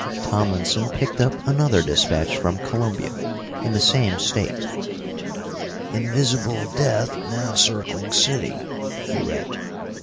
Tomlinson picked up another dispatch from Columbia, in the same State: "Invisible Death now circling city," he read.